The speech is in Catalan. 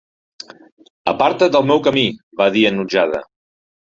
"Aparta't del meu camí!", va dir enutjada